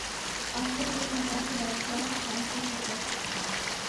আস্তে আস্তে ঠিক আছে, বাচ্চারা, গাড়িতে থাক।